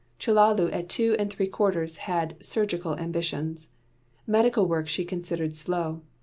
Chellalu at two and three quarters had surgical ambitions. Medical work she considered slow.